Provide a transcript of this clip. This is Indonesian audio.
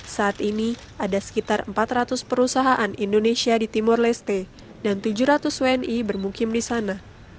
saat ini ada sekitar empat ratus perusahaan indonesia di timur leste dan tujuh ratus wni bermukim di sana